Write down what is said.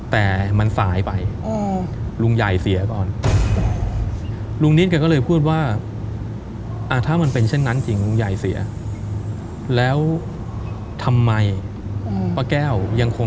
แต่มันสายไปอ๋อลุงใหญ่เสียก่อน